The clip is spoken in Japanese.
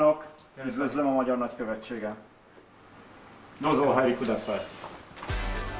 どうぞお入りください。